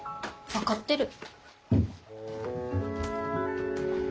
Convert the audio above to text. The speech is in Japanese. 分かってる。